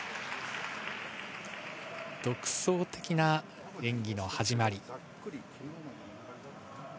独創的な演技の始まり。